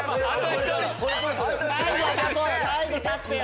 最後立ってよ！